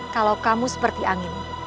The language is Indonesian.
kalau kamu seperti angin